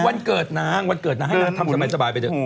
วันเกิดนางให้ทำดูสบายไปเถอะ